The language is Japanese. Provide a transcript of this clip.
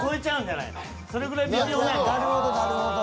なるほどなるほど。